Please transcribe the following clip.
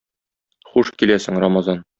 Хуш киләсең, Рамазан!